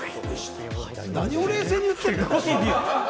何を冷静に言ってるんだ！